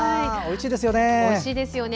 おいしいですよね。